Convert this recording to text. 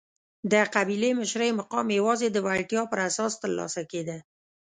د قبیلې مشرۍ مقام یوازې د وړتیا پر اساس ترلاسه کېده.